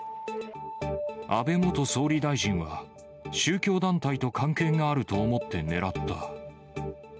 安倍元総理大臣は宗教団体と関係があると思って狙った。